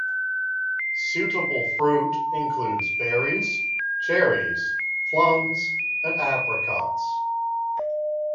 Suitable fruit includes berries, cherries, plums and apricots.